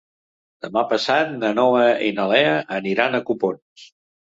Demà passat na Noa i na Lea aniran a Copons.